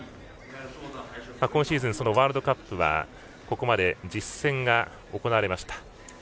今シーズン、ワールドカップはここまで１０戦、行われました。